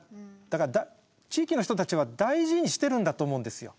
だから地域の人たちは大事にしてるんだと思うんですよ。